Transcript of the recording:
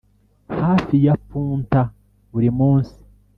hafi ya punta buri munsi.